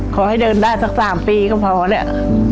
ขอให้เดินได้สักสามปีก็พอเนี่ย